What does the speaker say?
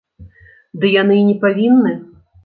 Ды яны і не павінны.